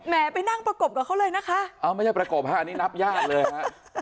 ไปนั่งประกบกับเขาเลยนะคะเอาไม่ใช่ประกบฮะอันนี้นับญาติเลยฮะ